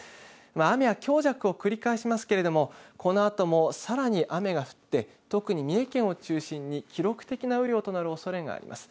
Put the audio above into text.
雨は強弱を繰り返しますけれどもこのあとも、さらに雨が降って特に三重県を中心に記録的な雨量となるおそれがあります。